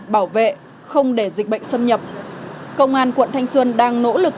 bảo vệ không để dịch bệnh xâm nhập công an quận thanh xuân đang nỗ lực